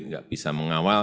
tidak bisa mengawal